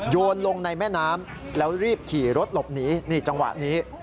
โยนลงในแม่น้ำแล้วรีบขี่รถหลบหนีนี่จังหวะนี้